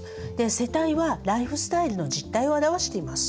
世帯はライフスタイルの実態を表しています。